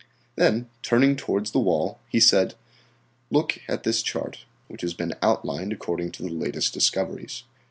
Then, turning towards the wall, he said "Look at this chart, which has been outlined according to the latest discoveries.